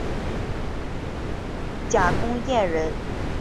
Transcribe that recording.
贾公彦人。